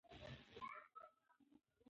موږ تېره میاشت لوړ غره ته تللي وو.